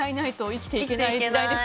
生きていけない。